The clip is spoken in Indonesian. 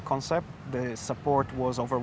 dukungan kami sangat berat